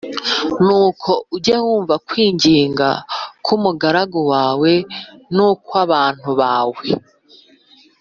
nuko ujye wumva kwinginga k’umugaragu wawe n’ukw’abantu bawe